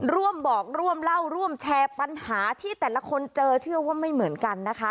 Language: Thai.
ร่วมบอกร่วมเล่าร่วมแชร์ปัญหาที่แต่ละคนเจอเชื่อว่าไม่เหมือนกันนะคะ